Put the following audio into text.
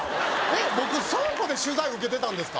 僕倉庫で取材受けてたんですか？